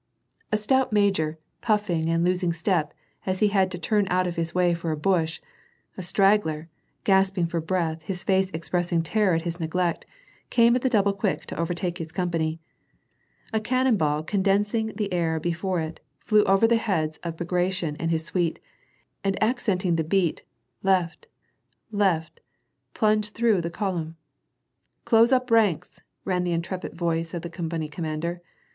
A stoat major, puffing, and losing step, as he had to turn out of his way for a bush ; a straggler, gasping for breath, his face expressing terror at his neglect, came at the double quick to overtake his company ; a cannon ball, condensing the air before it, flew over the heads of Bagration and his suite, and accent ing the beat, left ! left ! plunged through the column. ''Close up the ranks !" rang the intrepid voice of the com pany commander.